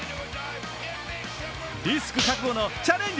リスク覚悟のチャレンジ